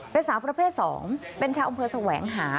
เป็นสาวประเภท๒เป็นชาวอำเภอแสวงหา